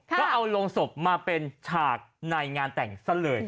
ก็เอาโรงศพมาเป็นฉากในงานแต่งซะเลย